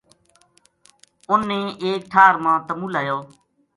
اُنھ نے ایک ٹھار ما تمو لایو